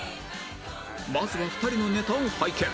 まずは２人のネタを拝見